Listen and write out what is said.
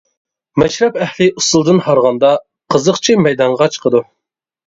مەشرەپ ئەھلى ئۇسسۇلدىن ھارغاندا، قىزىقچى مەيدانغا چىقىدۇ.